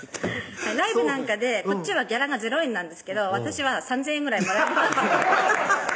ライブなんかでこっちはギャラが０円なんですけど私は３０００円ぐらいもらえます